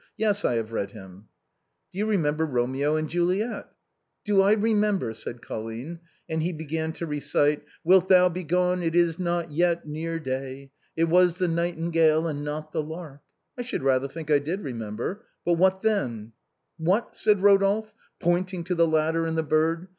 Yes, I have read him." " Do you remember Romeo and Juliet ?"" Do I remember ?" said Colline, and he began to recite :" Wilt thou begone? it is not yet near day. It was the nightingale and not the lark." I should rather think I did remember. But what then ?"" What !" said Eodolphe, pointing to the ladder and the bird.